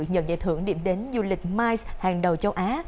nhận giải thưởng điểm đến du lịch mice hàng đầu châu á